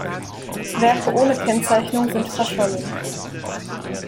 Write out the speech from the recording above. Werke ohne Kennzeichnung sind verschollen.